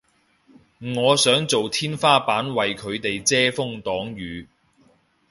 我想做天花板為佢哋遮風擋雨